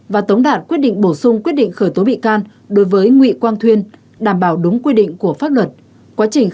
và tống đạt quyết định bổ sung quyết định khởi tố bị can đối với nguyễn quang thuyên đảm bảo đúng quy định của pháp luật